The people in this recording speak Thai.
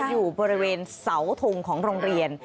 อยู่บริเวณเสาทงของโรงเรียน